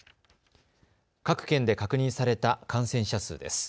各県で確認された感染者数です。